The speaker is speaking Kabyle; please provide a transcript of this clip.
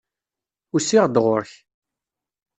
Usiɣ-d ɣur-k.